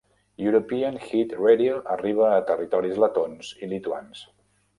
European Hit Radio arriba a territoris letons i lituans.